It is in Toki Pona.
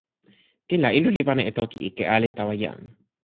kin la, ilo li pana e toki ike ale tawa jan.